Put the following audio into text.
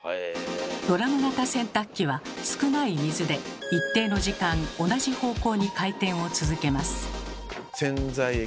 ドラム型洗濯機は少ない水で一定の時間同じ方向に回転を続けます。